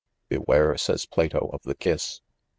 '"Beware," says Plato, " of the kiss."